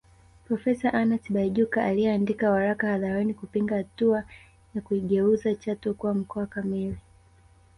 Profesa Anna Tibaijuka aliyeandika waraka hadharani kupinga hatua ya kuigeuza Chato kuwa mkoa kamili